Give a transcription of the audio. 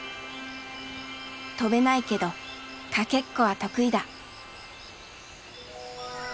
飛べないけどかけっこは得意だ。